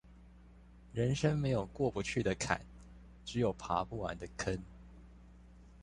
人生沒有過不去的坎，只有爬不完的坑